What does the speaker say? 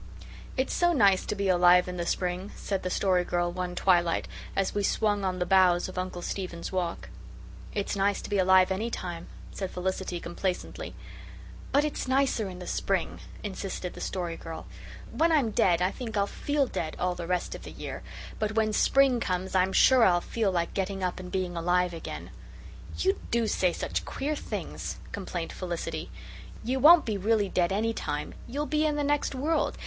"It's so nice to be alive in the spring," said the Story Girl one twilight as we swung on the boughs of Uncle Stephen's walk. "It's nice to be alive any time," said Felicity, complacently. "But it's nicer in the spring," insisted the Story Girl. "When I'm dead I think I'll FEEL dead all the rest of the year, but when spring comes I'm sure I'll feel like getting up and being alive again." "You do say such queer things," complained Felicity. "You won't be really dead any time. You'll be in the next world.